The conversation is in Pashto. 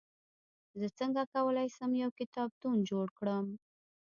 زه څنګه کولای سم، یو کتابتون جوړ کړم؟